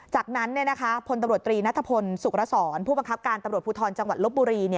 จากนั้นพลตำรวจตรีนัทพลสุขรสรผู้บังคับการตำรวจภูทรจังหวัดลบบุรี